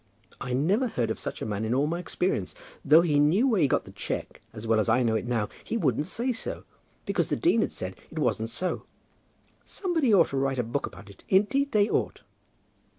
I never heard of such a man in all my experience. Though he knew where he got the cheque as well as I know it now, he wouldn't say so, because the dean had said it wasn't so. Somebody ought to write a book about it, indeed they ought."